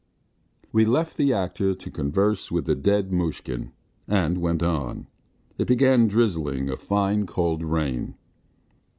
We left the actor to converse with the dead Mushkin and went on. It began drizzling a fine cold rain.